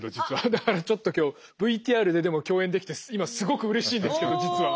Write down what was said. だからちょっと今日ＶＴＲででも共演できて今すごくうれしいんですけど実は。